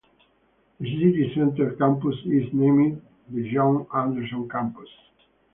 The city centre campus is named the John Anderson Campus.